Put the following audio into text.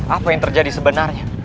apa yang terjadi sebenarnya